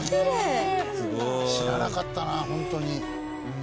知らなかったなホントに。